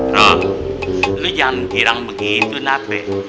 ruf lu jangan kirang begitu nabe